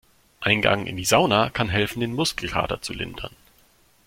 Ein Gang in die Sauna kann helfen, den Muskelkater zu lindern.